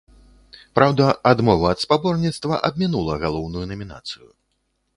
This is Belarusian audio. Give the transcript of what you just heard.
Праўда, адмова ад спаборніцтва абмінула галоўную намінацыю.